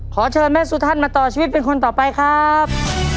ขอเชิญแม่สุธันมาต่อชีวิตเป็นคนต่อไปครับ